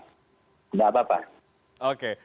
tidak apa apa oke